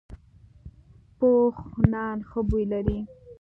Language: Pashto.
پوخ نان ښه بوی لري